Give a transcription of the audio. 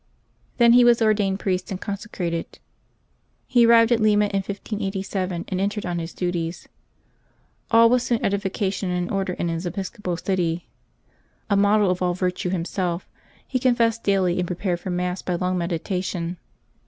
Then he was ordained priest and consecrated. He arrived at Lima in 1587, and entered on his duties. All was soon edification and order in his episcopal city. A model of all virtue him self, he confessed daily and prepared for Mass by long meditation.